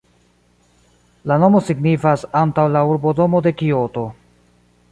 La nomo signifas "antaŭ la urbodomo de Kioto".